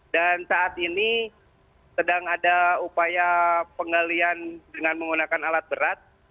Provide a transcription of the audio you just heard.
dan saat ini sedang ada upaya penggalian dengan menggunakan alat berat